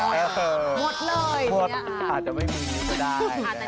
หมดเลยหมดอาจจะไม่มีก็ได้